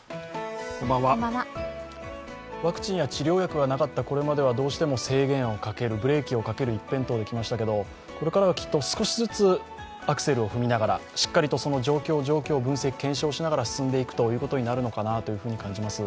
ワクチンや治療薬がなかったこれまではどうしても制限をかけるブレーキをかける一辺倒で来ましたけれどもこれからはきっと少しずつアクセルを踏みながらしっかりとその状況、状況を分析・検証しながら進んでいくことになるのかなと感じます。